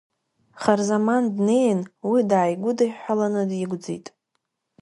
Харзаман днеин уи дааигәыдыҳәҳәаланы дигәӡит.